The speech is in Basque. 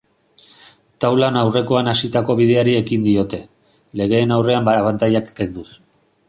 Taulan aurrekoan hasitako bideari ekiten diote, legeen aurrean abantailak kenduz.